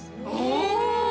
お！